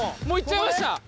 もう行っちゃいました